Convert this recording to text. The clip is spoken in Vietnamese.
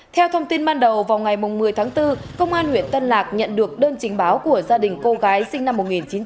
theo thông tin ban đầu vào ngày một mươi tháng bốn công an huyện tân lạc nhận được đơn chính báo của gia đình cô gái sinh năm một nghìn chín trăm tám mươi